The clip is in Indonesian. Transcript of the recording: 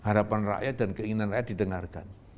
harapan rakyat dan keinginan rakyat didengarkan